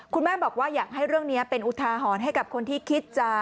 คุณแม่บอกว่าอยากให้เรื่องนี้เป็นอุทาหรณ์ให้กับคนที่คิดจะ